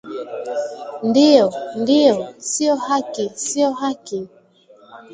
Ndiyo! Ndiyo! Sio haki! Sio haki